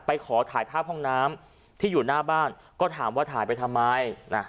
ขอถ่ายภาพห้องน้ำที่อยู่หน้าบ้านก็ถามว่าถ่ายไปทำไม